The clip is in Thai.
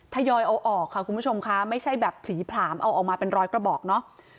ทยอยเอาออกค่ะคุณผู้ชมค่ะไม่ใช่แบบผลีผลามเอาออกมาเป็นร้อยกระบอกเนาะ